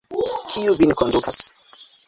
Kiu vin kondukas?